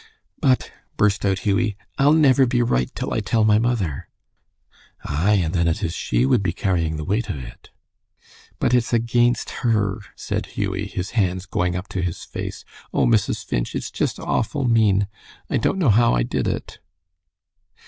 "But," burst out Hughie, "I'll never be right till I tell my mother." "Ay, and then it is she would be carrying the weight o' it." "But it's against her," said Hughie, his hands going up to his face. "Oh, Mrs. Finch, it's just awful mean. I don't know how I did it."